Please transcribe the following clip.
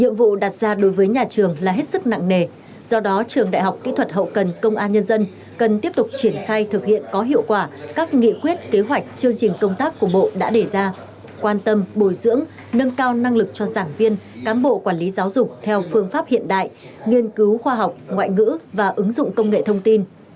các vụ đặt ra đối với nhà trường là hết sức nặng nề do đó trường đại học kỹ thuật hậu cần công an nhân dân cần tiếp tục triển khai thực hiện có hiệu quả các nghị quyết kế hoạch chương trình công tác của bộ đã đề ra quan tâm bồi dưỡng nâng cao năng lực cho giảng viên cán bộ quản lý giáo dục theo phương pháp hiện đại nghiên cứu khoa học ngoại ngữ và ứng dụng công nghệ thông tin